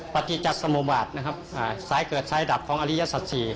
ปฏิจัตรสมวัติสายเกิดสายดับของอริยสัตว์ศรี